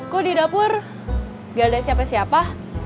kok di dapur gak ada siapa siapa